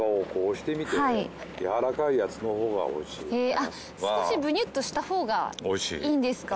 あっ少しブニュッとした方がいいんですか。